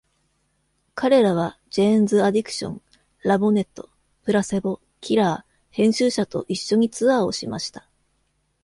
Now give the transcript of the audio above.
彼らはジェーンズ・アディクション、ラヴェオネット、プラセボ、キラー、編集者と一緒にツアーをしました。